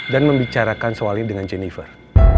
dan membicarakan soalnya dengan jennifer